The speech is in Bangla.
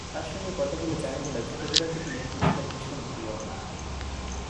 তাঁর সঙ্গে কথা বলে জানা গেল, ছোটবেলা থেকেই নেইলপলিশ তাঁর ভীষণ প্রিয়।